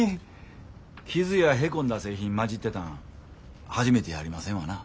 傷やへこんだ製品交じってたん初めてやありませんわな。